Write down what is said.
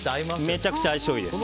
めちゃくちゃ相性いいです。